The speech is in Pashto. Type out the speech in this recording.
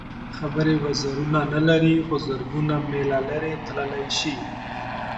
خبرې وزرونه نه لري خو زرګونه مېله لرې تللی شي.